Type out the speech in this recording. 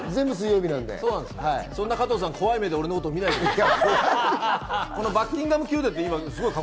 そんな加藤さん、怖い目で僕のこと見ないでよ。